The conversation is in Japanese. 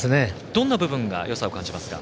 どんな部分がよさを感じますか？